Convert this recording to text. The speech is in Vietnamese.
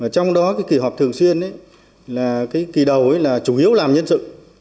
trong đó kỳ họp thường xuyên kỳ đầu là chủ yếu làm nhân sự